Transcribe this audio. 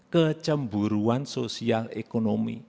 kecamburuan sosial ekonomi